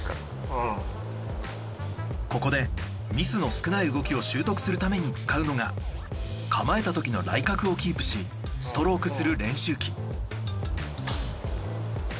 ここでミスの少ない動きを習得するために使うのが構えたときのライ角をキープしストロークする練習器。